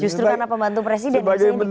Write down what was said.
justru karena pembantu presiden yang ditanya